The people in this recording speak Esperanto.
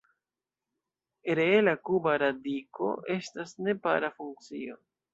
Reela kuba radiko estas nepara funkcio.